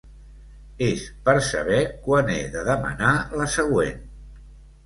És per saber quan he de demanar la següent.